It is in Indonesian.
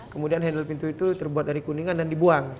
kemudian handle pintu itu terbuat dari kuningan dan dibuang